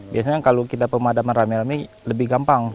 biasanya kalau kita pemadaman rame rame lebih gampang